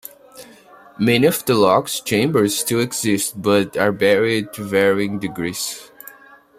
Many of the locks chambers still exist but are buried to varying degrees.